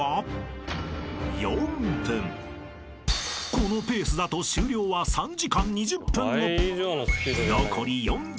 ［このペースだと終了は３時間２０分後］